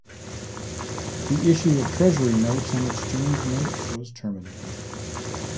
The issue of treasury notes and exchange notes was terminated.